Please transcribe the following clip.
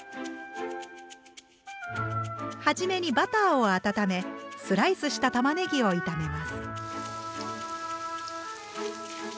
初めにバターを温めスライスしたたまねぎを炒めます。